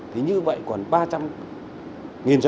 thì như vậy còn ba trăm linh doanh nghiệp nữa